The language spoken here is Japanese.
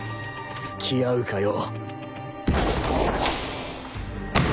つきあうかよ！